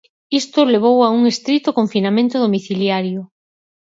Isto levou a un estrito confinamento domiciliario.